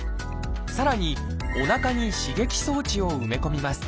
さらにおなかに刺激装置を埋め込みます。